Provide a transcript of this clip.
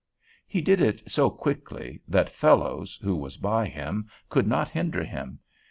He did it so quickly, that Fellows, who was with him, could not hinder him.